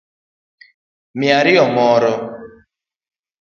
Miya ariyo moro